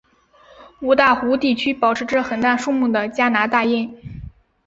五大湖地区保持着很大数目的加拿大雁。